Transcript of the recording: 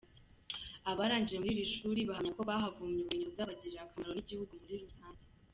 Abarangije muri irii shuri bahamya ko bahavomye ubumenyi buzabagirira akamaro n’igihugu muri rusange.